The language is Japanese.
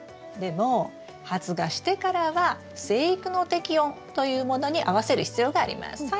でも発芽してからは生育の適温というものに合わせる必要があります。